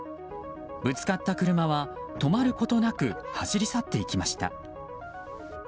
ぶつかった車は止まることなく走り去っていきました。